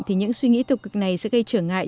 thì những suy nghĩ tục cực này sẽ gây trở ngại